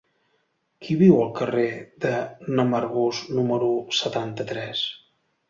Qui viu al carrer de n'Amargós número setanta-tres?